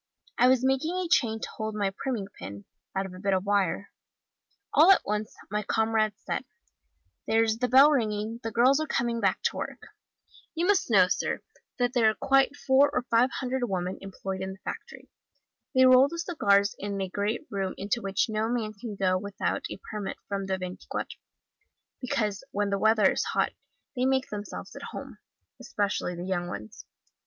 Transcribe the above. I was making a chain to hold my priming pin, out of a bit of wire: all at once, my comrades said, 'there's the bell ringing, the girls are coming back to work.' You must know, sir, that there are quite four or five hundred women employed in the factory. They roll the cigars in a great room into which no man can go without a permit from the Veintiquatro, because when the weather is hot they make themselves at home, especially the young ones.